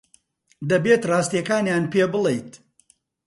دەبێت ڕاستییەکانیان پێ بڵێیت.